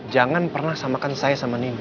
jangan pernah samakan saya sama nini